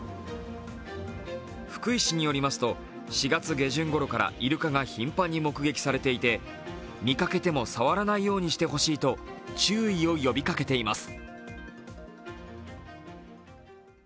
福井市によりますと４月下旬頃からいるかが頻繁に目撃されていて見かけても触らないようにしてほしいと注意を呼びかけています。